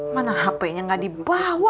mana hpnya gak dibawa